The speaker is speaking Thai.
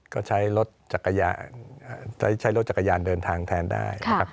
ก็ใช้รถจักรยานเดินทางแทนได้